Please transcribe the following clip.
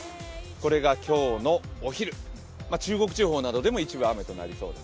これが今日のお昼、中国地方などでも一部雨が降りそうです。